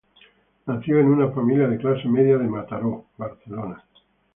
Nació en una familia de clase media de Mataró, Barcelona.